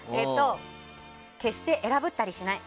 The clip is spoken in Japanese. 決して偉ぶったりしない。